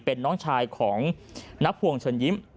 เป็นน้องชายของนับพวงเชิญยิ้ม